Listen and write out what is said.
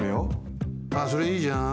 ああそれいいじゃん。